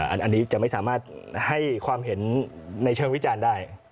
อันนี้จะไม่สามารถให้ความเห็นในเชิงวิจารณ์ได้